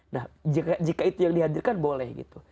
nah jika itu yang dihadirkan boleh gitu